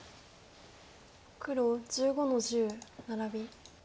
黒１５の十ナラビ。